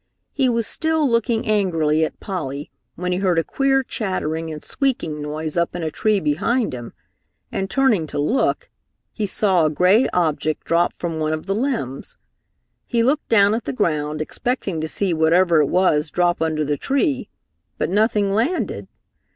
He was still looking angrily at Polly when he heard a queer chattering and squeaking noise up in a tree behind him and, turning to look, he saw a gray object drop from one of the limbs. He looked down at the ground, expecting to see whatever it was drop under the tree, but nothing landed.